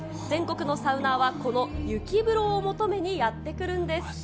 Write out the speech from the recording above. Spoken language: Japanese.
全国のサウナーはこの雪風呂を求めにやって来るんです。